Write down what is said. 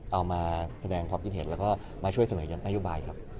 เอามาแสดงความคิดเห็นแล้วก็มาช่วยเสนอยันนโยบายครับ